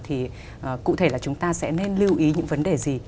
thì cụ thể là chúng ta sẽ nên lưu ý những vấn đề gì